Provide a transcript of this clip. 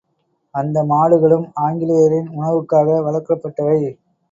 அந்த மாடுகளும் ஆங்கிலேயரின் உணவுக்காக வளர்க்கப்பட்டவை!